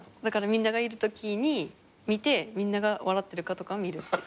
だからみんながいるときに見てみんなが笑ってるかとか見る。